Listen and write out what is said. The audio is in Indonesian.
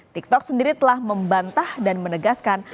tiktok sendiri telah membantah dan menegaskan